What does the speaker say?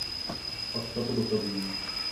Fakta to dokazují.